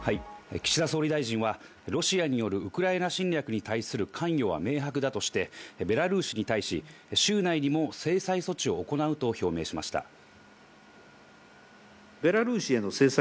岸田総理大臣は、ロシアによるウクライナ侵略に対する関与は明白だとして、ベラルーシに対し週内にも制裁措置を行うと表明しました。